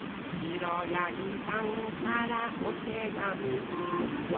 「くろやぎさんからおてがみついた」